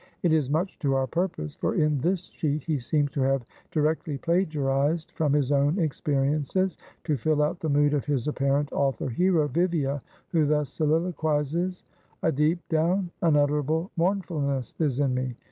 It is much to our purpose; for in this sheet, he seems to have directly plagiarized from his own experiences, to fill out the mood of his apparent author hero, Vivia, who thus soliloquizes: "A deep down, unutterable mournfulness is in me.